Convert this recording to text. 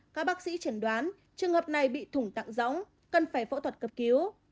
các bác sĩ chẳng đoán trường hợp này bị thủng tặng rõng cần phải phẫu thuật cấp cứu